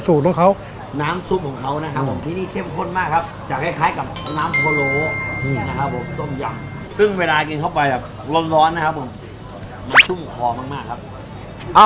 ซึ่งเวลากินเข้าไปน่ะร้อนนะครับผมชุ่มคลอมากครับ